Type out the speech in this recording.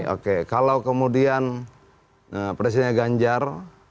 oke kalau kemudian presidennya ganjar